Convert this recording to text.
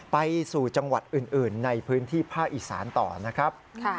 ไปสู่จังหวัดอื่นในพื้นที่ภาคอีสานต่อนะครับ